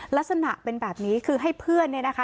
ลักษณะเป็นแบบนี้คือให้เพื่อนเนี่ยนะคะ